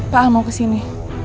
pak al mau kesini